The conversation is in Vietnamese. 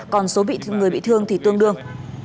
còn số người bị thương thì tương đương